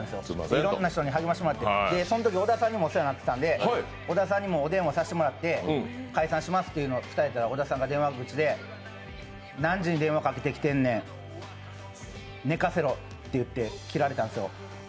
いろんな人に励ましてもらってそのとき小田さんにもお世話になっていたので小田さんにもお電話させてもらって、解散しますと伝えたら、小田さんが電話口で、何時に電話かけてきてんねん、寝かせろって言って切られたんですよ。